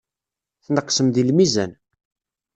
Tneqsem deg lmizan.